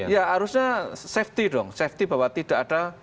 ya harusnya safety dong safety bahwa tidak ada